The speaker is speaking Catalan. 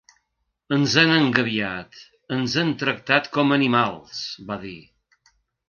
Ens han engabiat, ens han tractat com a animals, va dir.